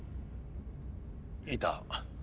いた。